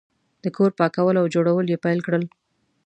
د کور پاکول او جوړول یې پیل کړل.